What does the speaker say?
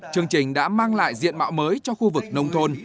chương trình đã mang lại diện mạo mới cho khu vực nông thôn